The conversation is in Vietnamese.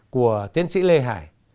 của tiến sĩ lê hải